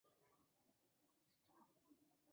其妾燕佳氏亦服毒自尽。